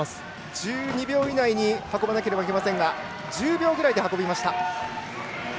１２秒以内に運ばなければいけないですが１０秒ぐらいで運びました。